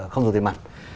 không dùng tiền mặt